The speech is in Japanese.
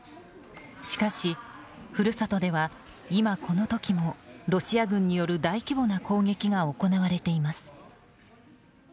しかし、故郷では今この時もロシア軍による大規模な攻撃が行われています。